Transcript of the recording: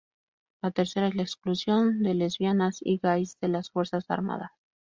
La tercera es la exclusión de lesbianas y gais de las fuerzas armadas.